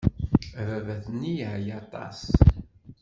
Ababat-nni yeɛya aṭas.